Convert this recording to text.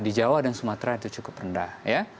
di jawa dan sumatera itu cukup rendah ya